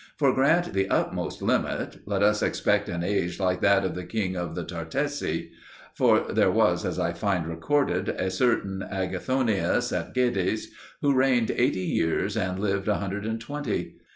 For grant the utmost limit: let us expect an age like that of the King of the Tartessi. For there was, as I find recorded, a certain Agathonius at Gades who reigned eighty years and lived a hundred and twenty.